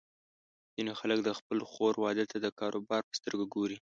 ځینې خلک د خپلې خور واده ته د کاروبار په سترګه ګوري.